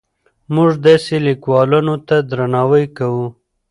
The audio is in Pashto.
موږ داسې لیکوالانو ته درناوی کوو.